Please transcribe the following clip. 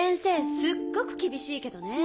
すっごく厳しいけどね。